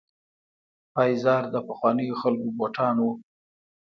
پایزار د پخوانیو خلکو بوټان وو.